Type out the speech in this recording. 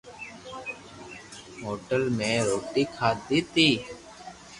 ھوٽل مي روِٽي کاڌي تي